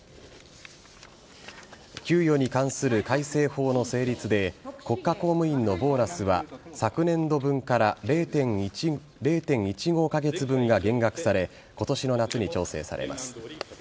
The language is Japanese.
給与に関する改正法の成立で国家公務員のボーナスは昨年度分から０．１５カ月分が減額され今年の夏に調整されます。